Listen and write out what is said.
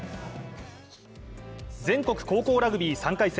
全国高校ラグビー３回戦。